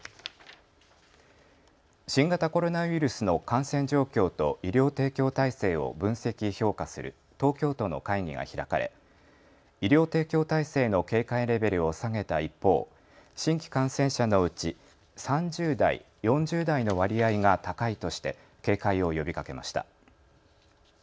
新型コロナウイルスの感染状況と医療提供体制を分析・評価する東京都の会議が開かれ医療提供体制の警戒レベルを下げた一方、新規感染者のうち３０代、４０代の割合が高いとして警戒を呼びかけました。